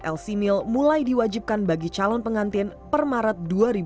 lcmil mulai diwajibkan bagi calon pengantin per maret dua ribu dua puluh